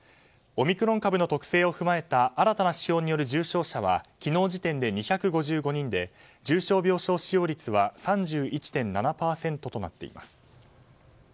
オミクロン株の特性を踏まえた新たな指標による重症者は昨日時点で２５５人で重症病床使用率は３１．７％となっています。